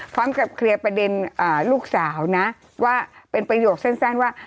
พร้อมกับเคลียร์ประเด็นลูกสาวนะว่าเป็นประโยคสั้นว่า